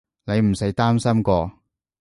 你唔使擔心喎